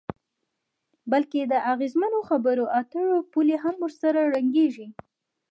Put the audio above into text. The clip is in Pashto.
بلکې د اغیزمنو خبرو اترو پولې هم ورسره ړنګیږي.